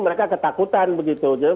mereka juga ada yang mengatakan bahwa